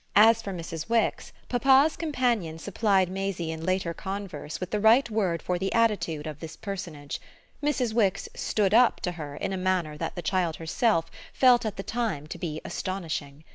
As for Mrs. Wix, papa's companion supplied Maisie in later converse with the right word for the attitude of this personage: Mrs. Wix "stood up" to her in a manner that the child herself felt at the time to be astonishing.